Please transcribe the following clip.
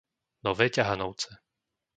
Nové Ťahanovce